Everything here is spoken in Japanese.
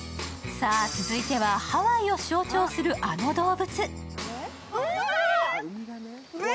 さあ、続いてはハワイを象徴するあの動物。